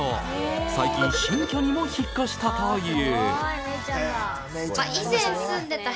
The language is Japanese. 最近新居にも引っ越したという。